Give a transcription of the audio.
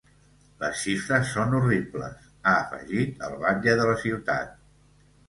“Les xifres són horribles”, ha afegit el batlle de la ciutat.